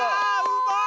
うまい！